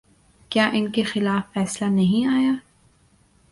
کیا ان کے خلاف فیصلہ نہیں آیا؟